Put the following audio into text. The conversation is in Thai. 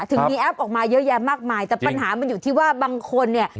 ถึงมีแอปออกมาเยอะแยะมากมายแต่ปัญหามันอยู่ที่ว่าบางคนเนี่ย